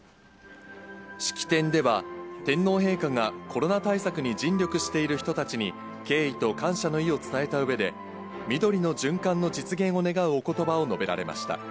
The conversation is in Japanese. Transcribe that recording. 式典では、天皇陛下がコロナ対策に尽力している人たちに、敬意と感謝の意を伝えたうえで、緑の循環の実現を願うおことばを述べられました。